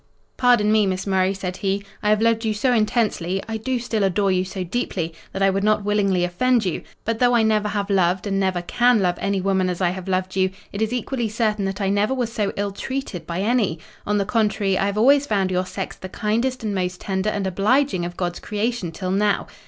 "'Pardon me, Miss Murray,' said he, 'I have loved you so intensely—I do still adore you so deeply, that I would not willingly offend you; but though I never have loved, and never can love any woman as I have loved you, it is equally certain that I never was so ill treated by any. On the contrary, I have always found your sex the kindest and most tender and obliging of God's creation, till now.